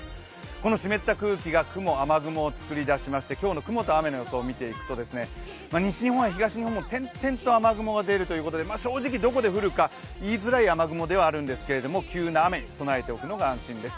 この湿った空気が雲、雨雲を作り出しまして今日の予報を見ていきますと西日本も東日本も点々と雨雲が出るということで正直動向で降るか言いづらい雨雲ではあるんですけれども、急な雨に備えておくのが安心です。